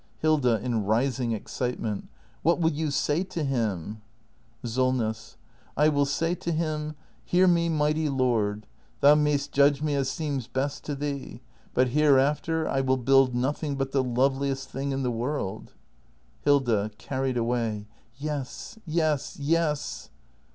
Hilda. [In rising excitement.] What will you say to him? Solness. I will say to him: Hear me, Mighty Lord — thou may'st judge me as seems best to thee. But hereafter I will build nothing but the loveliest thing in the world Hilda. [Carried away.] Yes — yes — yes!